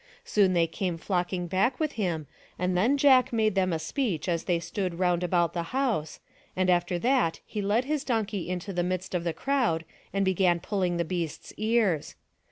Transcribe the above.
Soon they came flocking back with him and then Jack made them a speech as they stood round about the house, and after that he led his donkey into the midst of the crowd and began pulling the beast's ears.